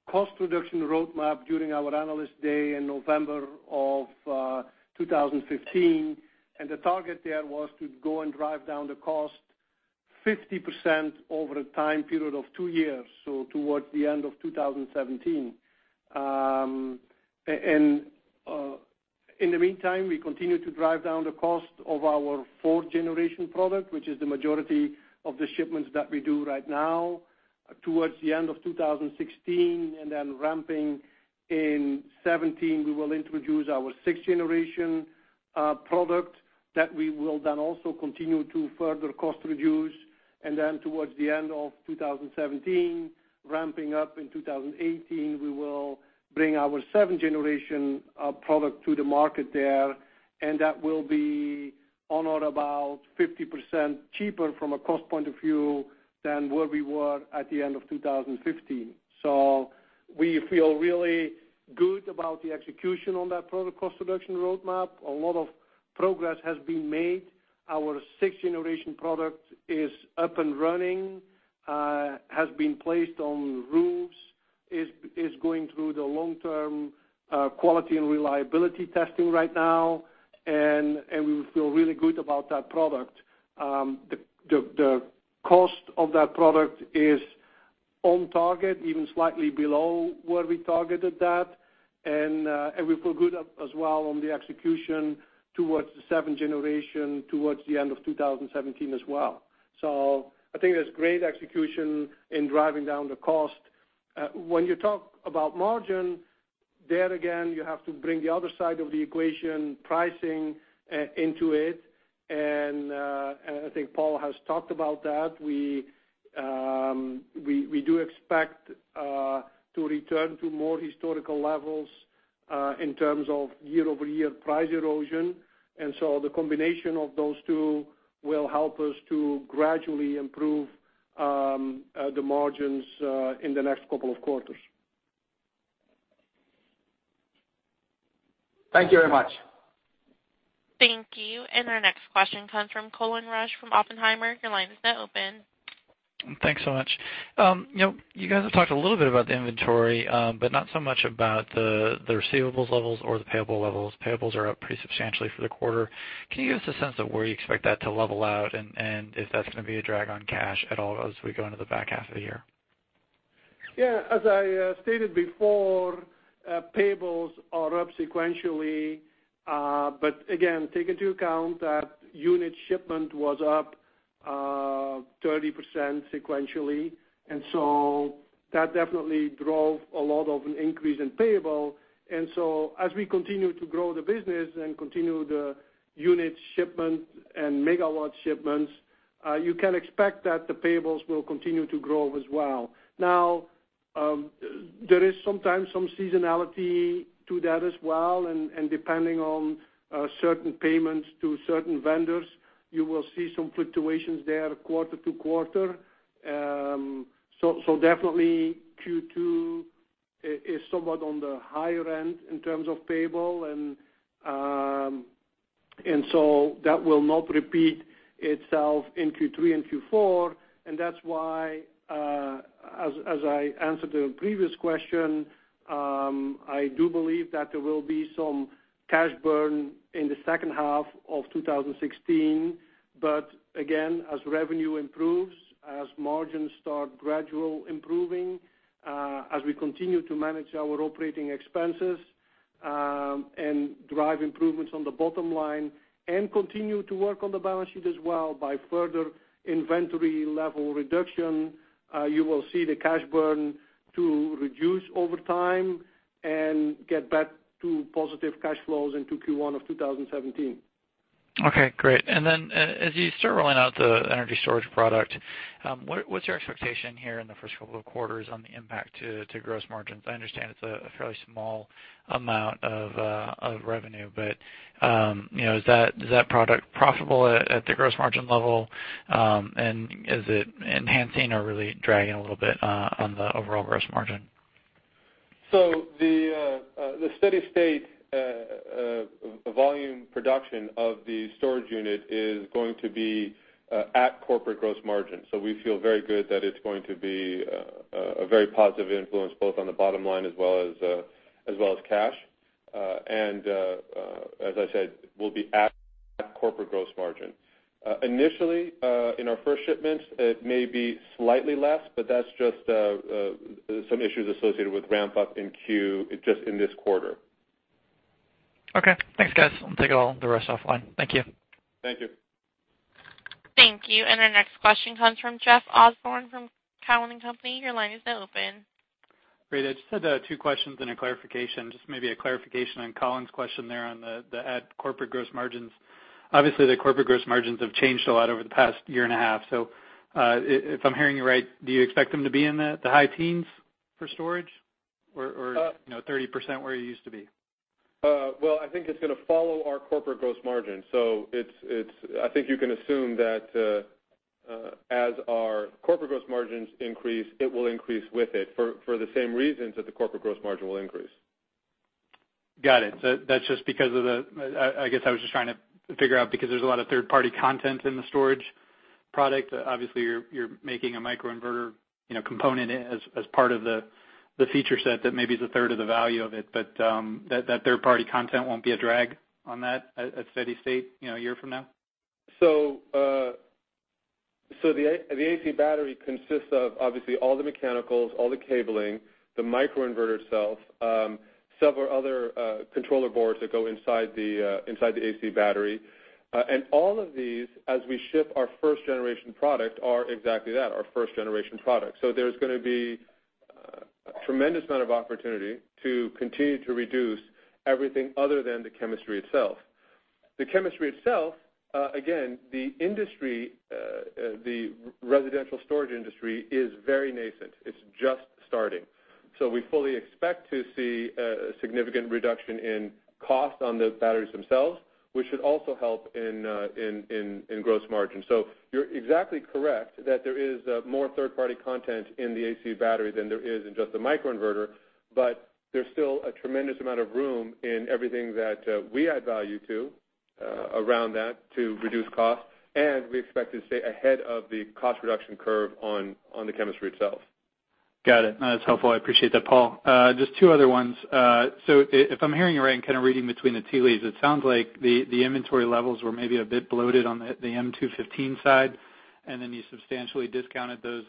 [SPEAKER 4] cost reduction roadmap during our Analyst Day in November of 2015. The target there was to go and drive down the cost 50% over a time period of 2 years, so towards the end of 2017. In the meantime, we continue to drive down the cost of our fourth-generation product, which is the majority of the shipments that we do right now. Towards the end of 2016, ramping in 2017, we will introduce our sixth-generation product that we will also continue to further cost reduce. Towards the end of 2017, ramping up in 2018, we will bring our seventh-generation product to the market there. That will be on or about 50% cheaper from a cost point of view than where we were at the end of 2015. We feel really good about the execution on that product cost reduction roadmap. A lot of progress has been made. Our sixth-generation product is up and running, has been placed on roofs, is going through the long-term quality and reliability testing right now. We feel really good about that product. The cost of that product is on target, even slightly below where we targeted that. We feel good as well on the execution towards the seventh generation, towards the end of 2017 as well. I think there's great execution in driving down the cost. When you talk about margin, there again, you have to bring the other side of the equation, pricing, into it. I think Paul has talked about that. We do expect to return to more historical levels in terms of year-over-year price erosion. The combination of those two will help us to gradually improve the margins in the next couple of quarters.
[SPEAKER 8] Thank you very much.
[SPEAKER 1] Thank you. Our next question comes from Colin Rusch from Oppenheimer. Your line is now open.
[SPEAKER 9] Thanks so much. You guys have talked a little bit about the inventory, but not so much about the receivables levels or the payable levels. Payables are up pretty substantially for the quarter. Can you give us a sense of where you expect that to level out and if that's going to be a drag on cash at all as we go into the back half of the year?
[SPEAKER 4] Yeah. As I stated before, payables are up sequentially, but again, take into account that unit shipment was up 30% sequentially. That definitely drove a lot of an increase in payable. As we continue to grow the business and continue the unit shipment and megawatt shipments, you can expect that the payables will continue to grow as well. Now, there is sometimes some seasonality to that as well, and depending on certain payments to certain vendors, you will see some fluctuations there quarter to quarter. Definitely Q2 is somewhat on the higher end in terms of payable. That will not repeat itself in Q3 and Q4. That's why, as I answered the previous question, I do believe that there will be some cash burn in the second half of 2016. Again, as revenue improves, as margins start gradual improving, as we continue to manage our operating expenses, and drive improvements on the bottom line, and continue to work on the balance sheet as well by further inventory level reduction, you will see the cash burn to reduce over time and get back to positive cash flows into Q1 of 2017.
[SPEAKER 9] Okay, great. As you start rolling out the energy storage product, what's your expectation here in the first couple of quarters on the impact to gross margins? I understand it's a fairly small amount of revenue, is that product profitable at the gross margin level? Is it enhancing or really dragging a little bit on the overall gross margin?
[SPEAKER 3] The steady state volume production of the storage unit is going to be at corporate gross margin. We feel very good that it's going to be a very positive influence both on the bottom line as well as cash. As I said, will be at corporate gross margin. Initially, in our first shipments, it may be slightly less, that's just some issues associated with ramp up in queue just in this quarter.
[SPEAKER 9] Okay. Thanks, guys. I'll take all the rest offline. Thank you.
[SPEAKER 3] Thank you.
[SPEAKER 1] Thank you. Our next question comes from Jeff Osborne from Cowen and Company. Your line is now open.
[SPEAKER 10] Great. I just had two questions and a clarification. Just maybe a clarification on Colin's question there on our corporate gross margins. Obviously, the corporate gross margins have changed a lot over the past year and a half. If I'm hearing you right, do you expect them to be in the high teens for storage or 30% where you used to be?
[SPEAKER 3] Well, I think it's going to follow our corporate gross margin. I think you can assume that as our corporate gross margins increase, it will increase with it for the same reasons that the corporate gross margin will increase.
[SPEAKER 10] Got it. I guess I was just trying to figure out because there's a lot of third-party content in the storage product. Obviously, you're making a microinverter component as part of the feature set that maybe is a third of the value of it, that third-party content won't be a drag on that at steady state a year from now?
[SPEAKER 3] The AC Battery consists of, obviously, all the mechanicals, all the cabling, the microinverter itself, several other controller boards that go inside the AC Battery. All of these, as we ship our first-generation product, are exactly that, our first-generation product. There's going to be a tremendous amount of opportunity to continue to reduce everything other than the chemistry itself. The chemistry itself, again, the residential storage industry is very nascent. It's just starting. We fully expect to see a significant reduction in cost on the batteries themselves, which should also help in gross margin. You're exactly correct that there is more third-party content in the AC Battery than there is in just the microinverter, but there's still a tremendous amount of room in everything that we add value to around that to reduce cost, and we expect to stay ahead of the cost reduction curve on the chemistry itself.
[SPEAKER 10] Got it. No, that's helpful. I appreciate that, Paul. Just two other ones. If I'm hearing you right and kind of reading between the tea leaves, it sounds like the inventory levels were maybe a bit bloated on the M215 side, and then you substantially discounted those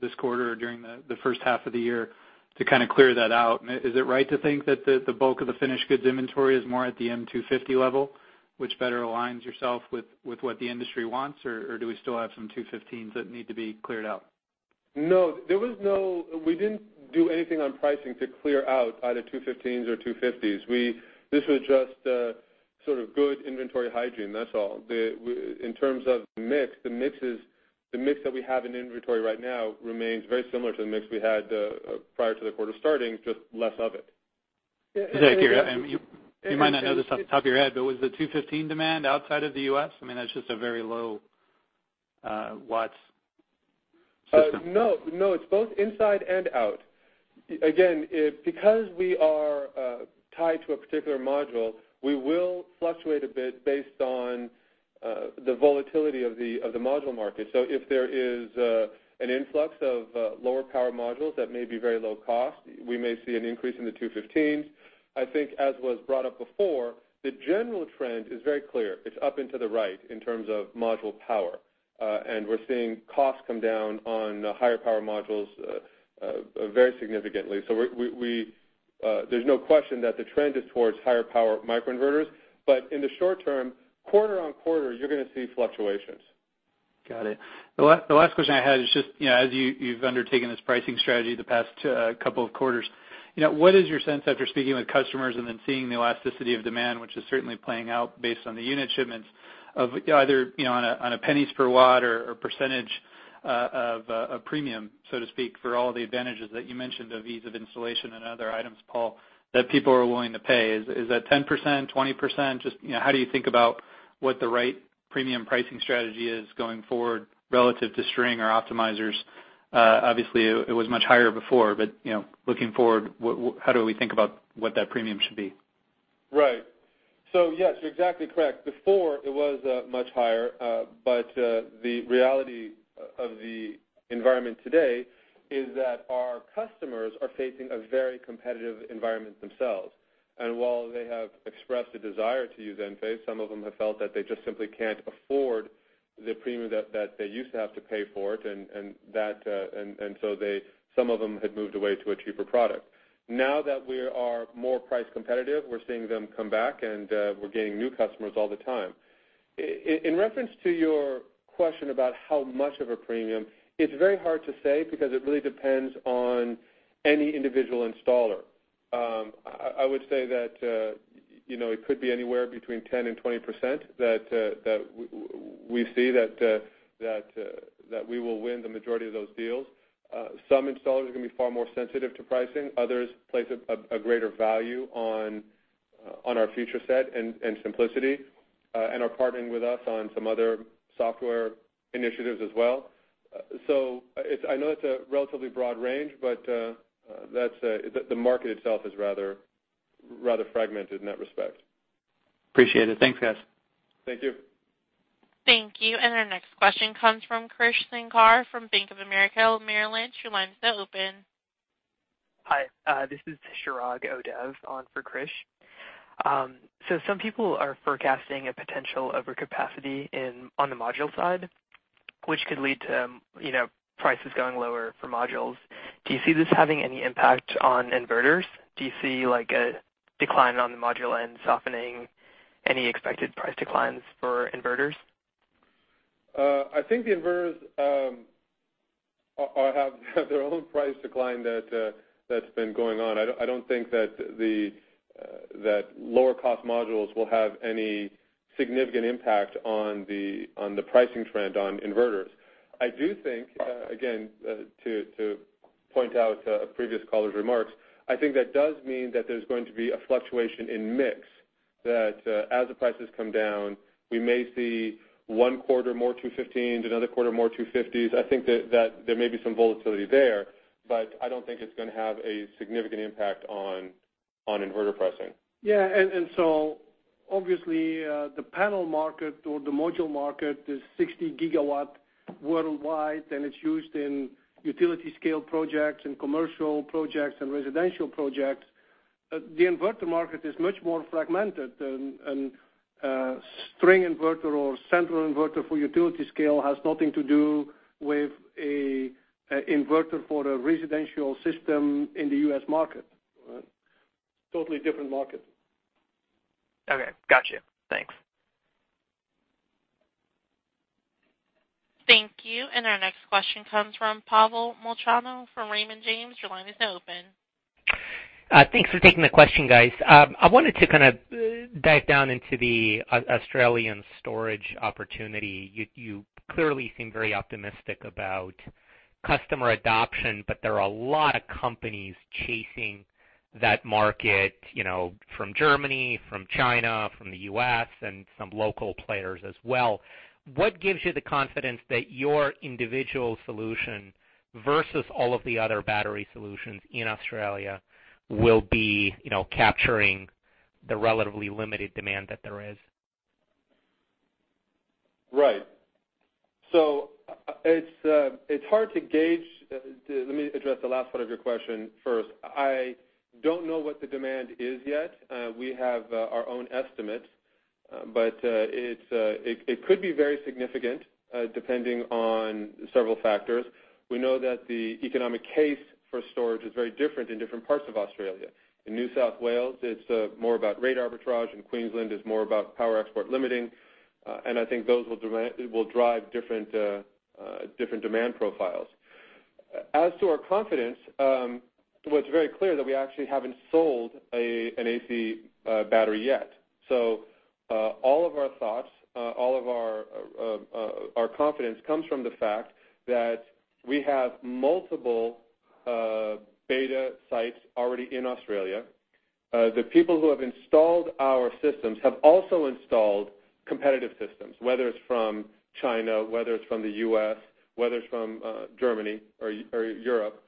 [SPEAKER 10] this quarter during the first half of the year to kind of clear that out. Is it right to think that the bulk of the finished goods inventory is more at the M250 level, which better aligns yourself with what the industry wants, or do we still have some 215s that need to be cleared out?
[SPEAKER 3] No. We didn't do anything on pricing to clear out either 215s or 250s. This was just sort of good inventory hygiene. That's all. In terms of the mix, the mix that we have in inventory right now remains very similar to the mix we had prior to the quarter starting, just less of it.
[SPEAKER 10] Is that accurate? You might not know this off the top of your head, but was the 215 demand outside of the U.S.? I mean, that's just a very low watts system.
[SPEAKER 3] No. It's both inside and out. Again, because we are tied to a particular module, we will fluctuate a bit based on the volatility of the module market. If there is an influx of lower power modules that may be very low cost, we may see an increase in the 215s. I think as was brought up before, the general trend is very clear. It's up and to the right in terms of module power. We're seeing costs come down on higher power modules very significantly. There's no question that the trend is towards higher power microinverters. In the short term, quarter-on-quarter, you're going to see fluctuations.
[SPEAKER 10] Got it. The last question I had is just, as you've undertaken this pricing strategy the past couple of quarters, what is your sense after speaking with customers and then seeing the elasticity of demand, which is certainly playing out based on the unit shipments of either on a pennies per watt or percentage of a premium, so to speak, for all the advantages that you mentioned of ease of installation and other items, Paul, that people are willing to pay. Is that 10%, 20%? Just how do you think about what the right premium pricing strategy is going forward relative to string or optimizers? Obviously, it was much higher before, but looking forward, how do we think about what that premium should be?
[SPEAKER 3] Right. Yes, you're exactly correct. Before it was much higher, the reality of the environment today is that our customers are facing a very competitive environment themselves. While they have expressed a desire to use Enphase, some of them have felt that they just simply can't afford the premium that they used to have to pay for it, some of them had moved away to a cheaper product. Now that we are more price competitive, we're seeing them come back and we're gaining new customers all the time. In reference to your question about how much of a premium, it's very hard to say because it really depends on any individual installer. I would say that it could be anywhere between 10%-20% that we see that we will win the majority of those deals. Some installers are going to be far more sensitive to pricing. Others place a greater value on our feature set and simplicity, and are partnering with us on some other software initiatives as well. I know it's a relatively broad range, but the market itself is rather fragmented in that respect.
[SPEAKER 10] Appreciate it. Thanks, guys.
[SPEAKER 3] Thank you.
[SPEAKER 1] Thank you. Our next question comes from Krish Sankar from Bank of America Merrill Lynch. Your line is now open.
[SPEAKER 11] Hi. This is Chirag Odhav on for Krish. Some people are forecasting a potential overcapacity on the module side, which could lead to prices going lower for modules. Do you see this having any impact on inverters? Do you see a decline on the module end softening any expected price declines for inverters?
[SPEAKER 3] I think the inverters have their own price decline that's been going on. I don't think that lower cost modules will have any significant impact on the pricing trend on inverters. I do think, again, to point out a previous caller's remarks, I think that does mean that there's going to be a fluctuation in mix. As the prices come down, we may see one quarter more 215s, another quarter more 250s. I think that there may be some volatility there, but I don't think it's going to have a significant impact on inverter pricing.
[SPEAKER 4] Obviously, the panel market or the module market is 60 gigawatts worldwide, and it's used in utility scale projects and commercial projects and residential projects. The inverter market is much more fragmented, and string inverter or central inverter for utility scale has nothing to do with a inverter for a residential system in the U.S. market. Totally different market.
[SPEAKER 11] Okay. Got you. Thanks.
[SPEAKER 1] Thank you. Our next question comes from Pavel Molchanov from Raymond James. Your line is now open.
[SPEAKER 12] Thanks for taking the question, guys. I wanted to kind of dive down into the Australian storage opportunity. You clearly seem very optimistic about customer adoption, there are a lot of companies chasing that market from Germany, from China, from the U.S., and some local players as well. What gives you the confidence that your individual solution versus all of the other battery solutions in Australia will be capturing the relatively limited demand that there is?
[SPEAKER 3] Right. It's hard to gauge. Let me address the last part of your question first. I don't know what the demand is yet. We have our own estimates, but it could be very significant, depending on several factors. We know that the economic case for storage is very different in different parts of Australia. In New South Wales, it's more about rate arbitrage. In Queensland, it's more about power export limiting. I think those will drive different demand profiles. As to our confidence, well, it's very clear that we actually haven't sold an AC Battery yet. All of our thoughts, all of our confidence comes from the fact that we have multiple beta sites already in Australia. The people who have installed our systems have also installed competitive systems, whether it's from China, whether it's from the U.S., whether it's from Germany or Europe.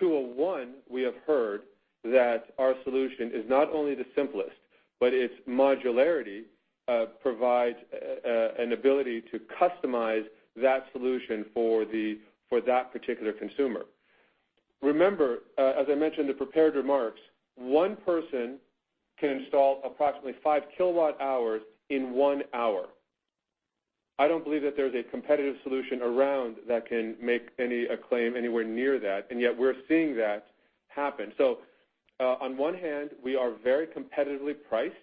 [SPEAKER 3] To a one, we have heard that our solution is not only the simplest, but its modularity provides an ability to customize that solution for that particular consumer. Remember, as I mentioned in the prepared remarks, one person can install approximately five kilowatt-hours in one hour. I don't believe that there's a competitive solution around that can make any acclaim anywhere near that, and yet we're seeing that happen. On one hand, we are very competitively priced,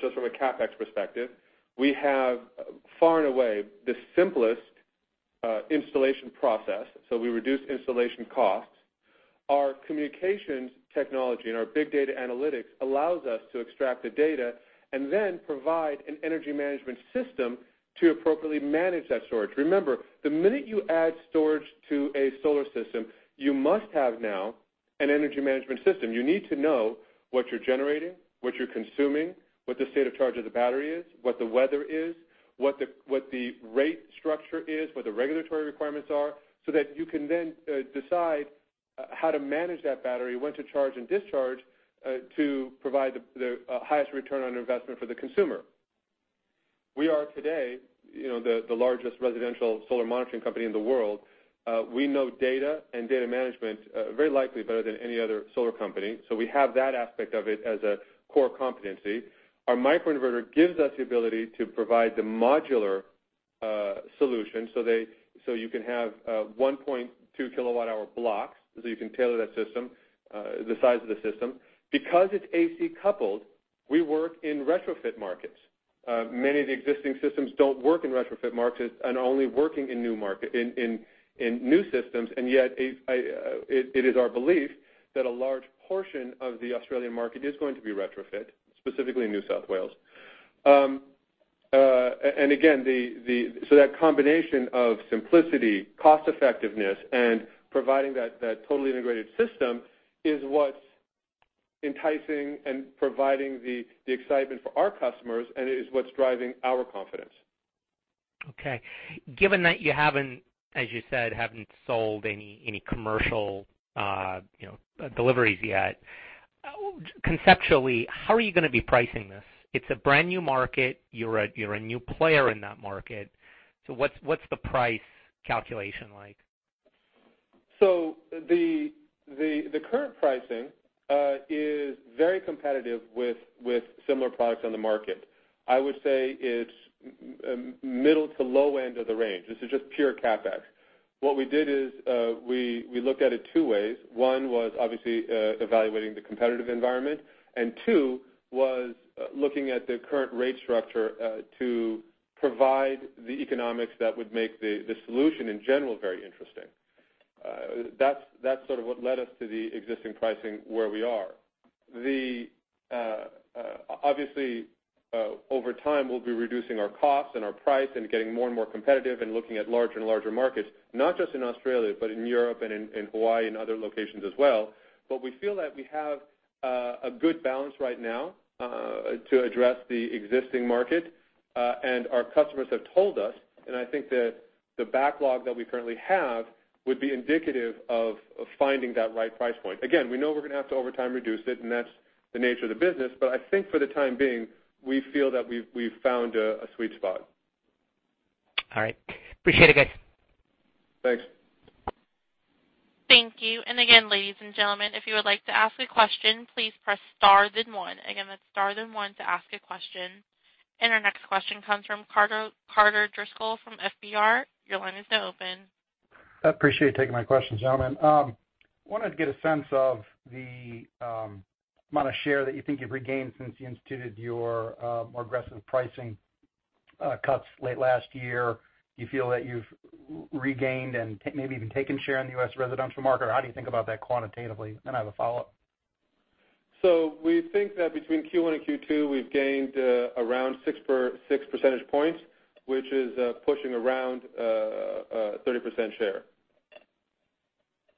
[SPEAKER 3] just from a CapEx perspective. We have far and away the simplest installation process, so we reduce installation costs. Our communications technology and our big data analytics allows us to extract the data and then provide an energy management system to appropriately manage that storage. Remember, the minute you add storage to a solar system, you must have now an energy management system. You need to know what you're generating, what you're consuming, what the state of charge of the battery is, what the weather is, what the rate structure is, what the regulatory requirements are, so that you can then decide how to manage that battery, when to charge and discharge, to provide the highest return on investment for the consumer. We are today the largest residential solar monitoring company in the world. We know data and data management very likely better than any other solar company. We have that aspect of it as a core competency. Our microinverter gives us the ability to provide the modular solution, so you can have 1.2 kilowatt-hour blocks, so you can tailor the size of the system. Because it's AC coupled, we work in retrofit markets. Many of the existing systems don't work in retrofit markets and are only working in new systems, yet it is our belief that a large portion of the Australian market is going to be retrofit, specifically in New South Wales. Again, that combination of simplicity, cost-effectiveness, and providing that totally integrated system is what's enticing and providing the excitement for our customers, and it is what's driving our confidence.
[SPEAKER 12] Okay. Given that you haven't, as you said, sold any commercial deliveries yet, conceptually, how are you going to be pricing this? It's a brand-new market. You're a new player in that market. What's the price calculation like?
[SPEAKER 3] The current pricing is very competitive with similar products on the market. I would say it's middle to low end of the range. This is just pure CapEx. What we did is we looked at it two ways. One was obviously evaluating the competitive environment, and two was looking at the current rate structure to provide the economics that would make the solution in general very interesting. That's sort of what led us to the existing pricing where we are. Obviously, over time, we'll be reducing our costs and our price and getting more and more competitive and looking at larger and larger markets, not just in Australia, but in Europe and in Hawaii and other locations as well. We feel that we have a good balance right now to address the existing market. Our customers have told us, and I think that the backlog that we currently have would be indicative of finding that right price point. Again, we know we're going to have to, over time, reduce it, and that's the nature of the business. I think for the time being, we feel that we've found a sweet spot.
[SPEAKER 12] All right. Appreciate it, guys.
[SPEAKER 3] Thanks.
[SPEAKER 1] Thank you. Again, ladies and gentlemen, if you would like to ask a question, please press star then one. Again, that's star then one to ask a question. Our next question comes from Carter Driscoll from FBR. Your line is now open.
[SPEAKER 13] I appreciate you taking my question, gentlemen. Wanted to get a sense of the amount of share that you think you've regained since you instituted your more aggressive pricing cuts late last year. Do you feel that you've regained and maybe even taken share in the U.S. residential market, or how do you think about that quantitatively? I have a follow-up.
[SPEAKER 3] We think that between Q1 and Q2, we've gained around six percentage points, which is pushing around 30% share.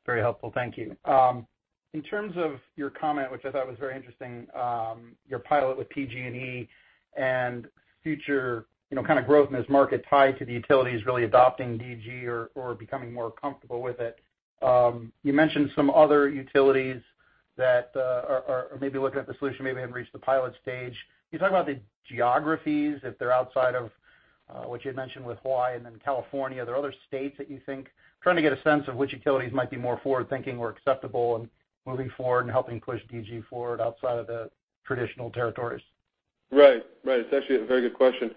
[SPEAKER 13] Very helpful. Thank you. In terms of your comment, which I thought was very interesting, your pilot with PG&E and future growth in this market tied to the utilities really adopting DG or becoming more comfortable with it. You mentioned some other utilities that are maybe looking at the solution, maybe haven't reached the pilot stage. Can you talk about the geographies, if they're outside of what you had mentioned with Hawaii and then California? There are other states that you think-- trying to get a sense of which utilities might be more forward-thinking or acceptable in moving forward and helping push DG forward outside of the traditional territories.
[SPEAKER 3] Right. It's actually a very good question.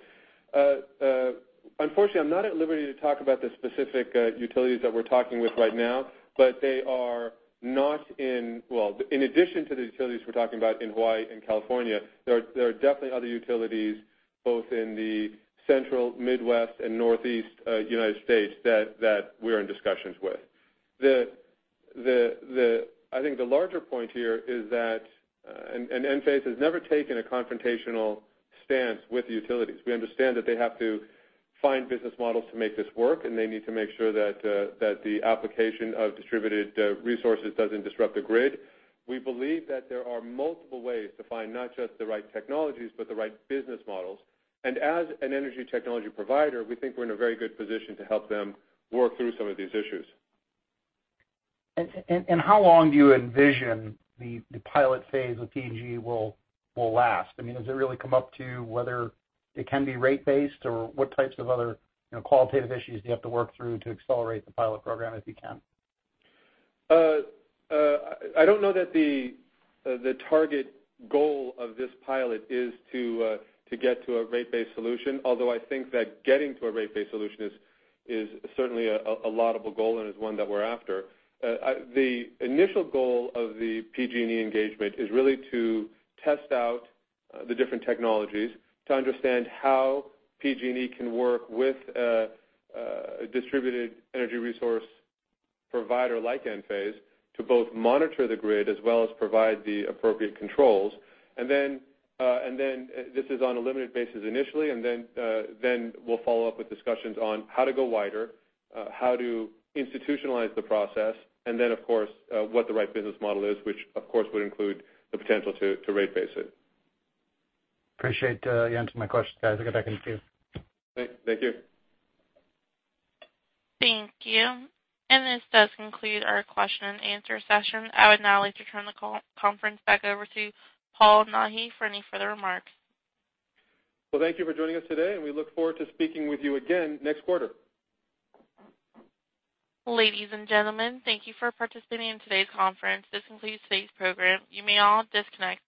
[SPEAKER 3] Unfortunately, I'm not at liberty to talk about the specific utilities that we're talking with right now, but in addition to the utilities we're talking about in Hawaii and California, there are definitely other utilities, both in the central Midwest and Northeast U.S., that we're in discussions with. I think the larger point here is that Enphase has never taken a confrontational stance with the utilities. We understand that they have to find business models to make this work, and they need to make sure that the application of distributed resources doesn't disrupt the grid. We believe that there are multiple ways to find not just the right technologies, but the right business models. As an energy technology provider, we think we're in a very good position to help them work through some of these issues.
[SPEAKER 13] How long do you envision the pilot phase with PG will last? I mean, has it really come up to whether it can be rate-based, or what types of other qualitative issues do you have to work through to accelerate the pilot program, if you can?
[SPEAKER 3] I don't know that the target goal of this pilot is to get to a rate-based solution. Although I think that getting to a rate-based solution is certainly a laudable goal and is one that we're after. The initial goal of the PG&E engagement is really to test out the different technologies to understand how PG&E can work with a distributed energy resource provider like Enphase to both monitor the grid as well as provide the appropriate controls. This is on a limited basis initially. We'll follow up with discussions on how to go wider, how to institutionalize the process, and then, of course, what the right business model is, which of course would include the potential to rate base it.
[SPEAKER 13] Appreciate you answering my question, guys. I'll get back in the queue.
[SPEAKER 3] Thank you.
[SPEAKER 1] Thank you. This does conclude our question and answer session. I would now like to turn the conference back over to Paul Nahi for any further remarks.
[SPEAKER 3] Well, thank you for joining us today, and we look forward to speaking with you again next quarter.
[SPEAKER 1] Ladies and gentlemen, thank you for participating in today's conference. This concludes today's program. You may all disconnect.